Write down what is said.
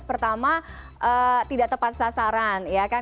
pertama tidak tepat sasaran ya kan